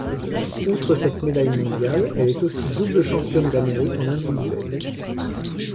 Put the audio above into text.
Outre cette médaille mondiale, elle est aussi double championne d'Amérique en individuel.